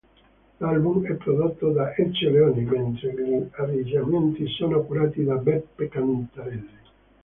L'album è prodotto da Ezio Leoni, mentre gli arrangiamenti sono curati da Beppe Cantarelli.